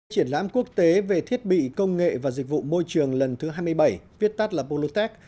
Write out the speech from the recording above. triển lãm quốc tế về thiết bị công nghệ và dịch vụ môi trường lần thứ hai mươi bảy viết tắt là poluttech